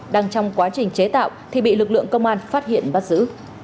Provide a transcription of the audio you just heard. đang trong quá trình chế tạo thì bị lực lượng công an phát hiện bắt giữ